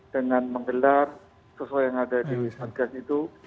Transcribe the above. dengan menggelar sesuai yang ada di satgas itu